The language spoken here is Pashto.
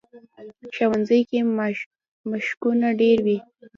ښوونځی کې مشقونه ډېر وي